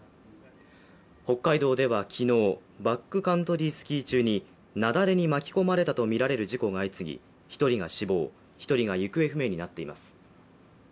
北海道では昨日、バックカントリースキー中に雪崩に巻き込まれたとみられる事故が相次ぎ１人が死亡、１人が行方不明になっています。